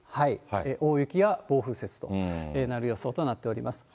大雪や暴風雪となる予想となっています。